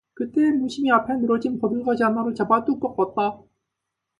그때에 무심히 앞에 늘어진 버들가지 하나를 잡아 뚝 꺾었다.